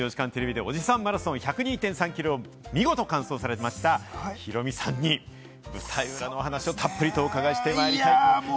きょうの『ＤａｙＤａｙ．』は、『２４時間テレビ』でおじさんマラソン１０２．３ｋｍを見事完走されました、ヒロミさんに舞台裏のお話をたっぷりお伺いしてまいります。